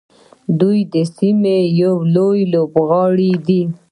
دوی د سیمې یو لوی لوبغاړی دی.